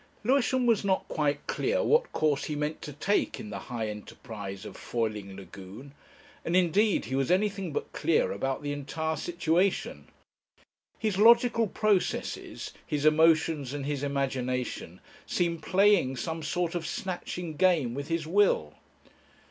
Lewisham was not quite clear what course he meant to take in the high enterprise of foiling Lagune, and indeed he was anything but clear about the entire situation. His logical processes, his emotions and his imagination seemed playing some sort of snatching game with his will.